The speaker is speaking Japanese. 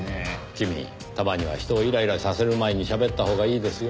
君たまには人をイライラさせる前にしゃべったほうがいいですよ。